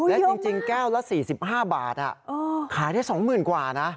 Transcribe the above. และจริงแก้วละ๔๕บาทขายได้๒๐๐๐กว่านะ